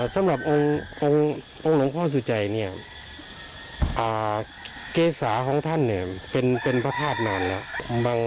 สำหรับองค์หลวงพ่อสุจัยเนี่ยเกษาของท่านเนี่ยเป็นพระธาตุนานแล้ว